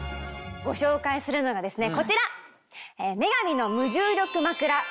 ご紹介するのがですねこちら！